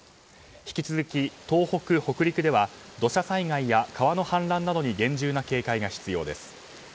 引き続き、東北北陸では土砂災害や川の氾濫などに厳重な警戒が必要です。